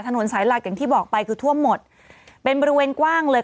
ถนนสายหลักอย่างที่บอกไปคือท่วมหมดเป็นบริเวณกว้างเลย